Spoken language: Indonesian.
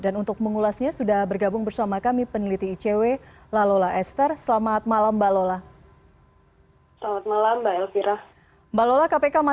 dan untuk mengulasnya sudah bergabung bersama kami peneliti icw lalola esther selamat malam mbak lola